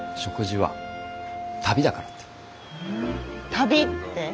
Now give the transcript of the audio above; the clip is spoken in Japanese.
旅って？